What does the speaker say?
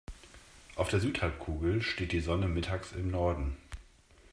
Auf der Südhalbkugel steht die Sonne mittags im Norden.